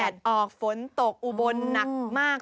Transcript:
ออกฝนตกอุบลหนักมาก